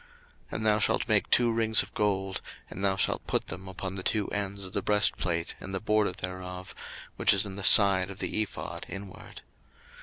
02:028:026 And thou shalt make two rings of gold, and thou shalt put them upon the two ends of the breastplate in the border thereof, which is in the side of the ephod inward.